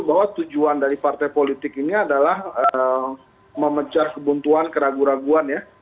bahwa tujuan dari partai politik ini adalah memecah kebuntuan keraguan keraguan ya